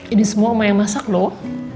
ini semua oma yang masak loh